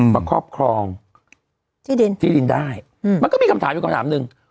ครอบครองที่ดินที่ดินได้มันก็มีคำถามอยู่คำถามหนึ่ง